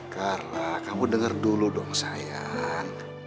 karena kamu dengar dulu dong sayang